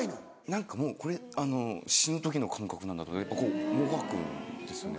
何かもうこれ死ぬ時の感覚やっぱこうもがくんですよね。